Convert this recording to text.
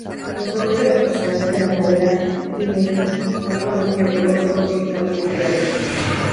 Los nombres de los personajes de la novela, inequívocamente griegos, son modificados ligeramente.